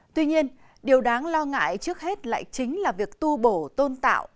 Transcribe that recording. tuy nhiên điều đáng lo ngại trước hết lại chính là việc tu bổ tôn tạo